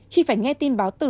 khi phải nghe tin báo tử